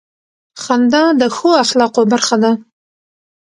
• خندا د ښو اخلاقو برخه ده.